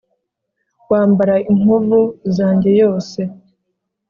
wambara inkovu zanjye yose